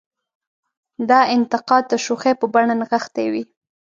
دا انتقاد د شوخۍ په بڼه نغښتې وي.